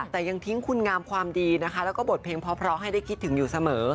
แต่ยังทิ้งคุณงามความดีนะคะแล้วก็บทเพลงเพราะให้ได้คิดถึงอยู่เสมอ